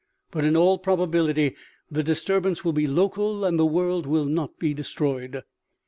But in all probability the disturbance will be local and the world will not be destroyed.